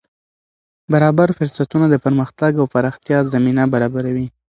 برابر فرصتونه د پرمختګ او پراختیا زمینه برابروي.